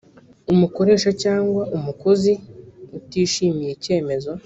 umukoresha cyangwa umukozi utishimiye icyemezo